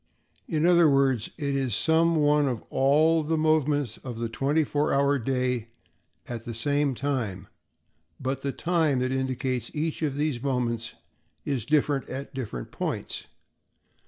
In other words, it is some one of all the moments of the twenty four hour day at the same time, but the time that indicates each of these moments is different at different points.